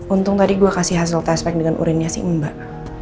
untung tadi gue kasih hasil tes pack dengan urinnya sih mbak